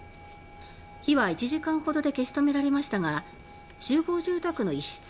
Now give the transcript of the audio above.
火は１時間ほどで消し止められましたが集合住宅の一室